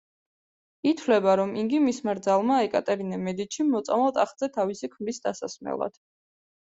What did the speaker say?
ითვლება, რომ იგი მისმა რძალმა, ეკატერინე მედიჩიმ მოწამლა ტახტზე თავისი ქმრის დასასმელად.